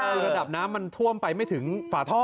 ระดับน้ำท่วมไปไม่ถึงฝาท่อ